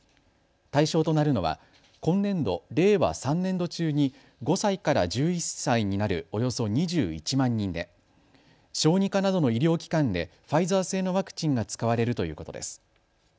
対象となるのは今年度・令和３年度中に５歳から１１歳になるおよそ２１万人で小児科などの医療機関でファイザー製のワクチンが使われるということです。